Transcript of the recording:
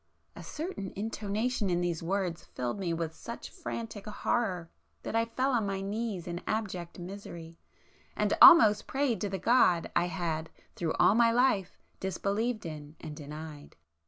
A certain intonation in these words filled me with such frantic horror that I fell on my knees in abject misery, and almost prayed to the God I had through all my life disbelieved in and denied.